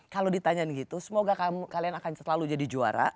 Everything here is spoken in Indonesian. kalau ditanyain gitu semoga kalian akan selalu jadi juara